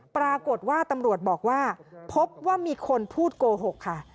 ปรากฏว่าตำรวจบอกว่าพบว่ามีคนพูดโกหกค่ะ